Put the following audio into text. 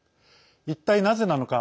一体、なぜなのか。